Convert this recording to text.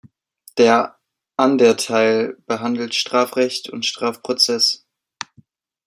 Der „Ander Teil“ behandelt Strafrecht und Strafprozess.